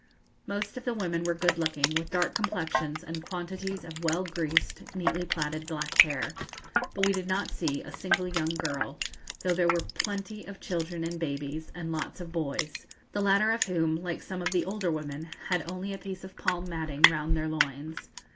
Most of the women were good looking, with dark complexions and quantities of well greased, neatly plaited black hair, but we did not see a single young girl, though there were plenty of children and babies, and lots of boys, the latter of whom, like some of the older women, had only a piece of palm matting round their loins.